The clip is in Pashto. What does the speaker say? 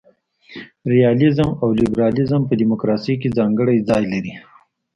ریالیزم او لیبرالیزم په دموکراسي کي ځانګړی ځای لري.